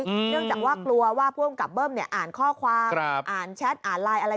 เนื่องจากว่ากลัวว่าผู้อำกับเบิ้มเนี่ยอ่านข้อความอ่านแชทอ่านไลน์อะไร